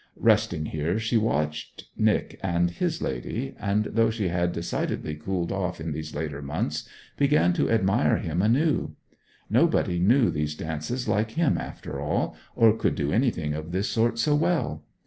Resting here, she watched Nic and his lady; and, though she had decidedly cooled off in these later months, began to admire him anew. Nobody knew these dances like him, after all, or could do anything of this sort so well.